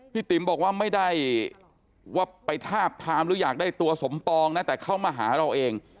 ติ๋มบอกว่าไม่ได้ว่าไปทาบทามหรืออยากได้ตัวสมปองนะแต่เขามาหาเราเอง